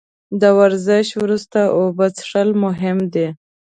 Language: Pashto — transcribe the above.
د ورزش وروسته اوبه څښل مهم دي